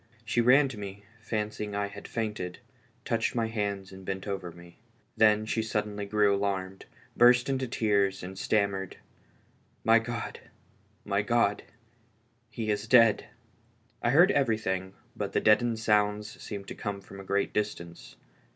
She ran to me, fancying I had fainted, touched my hands, and bent over me. Then she suddenly grew alarmed, burst into tears, and stammered: "My God! my God! he is dead 1 " I heard everything, but the deadened sounds seemed to come from a great distance.